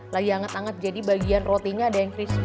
lagi anget anget jadi bagian rotinya ada yang crispy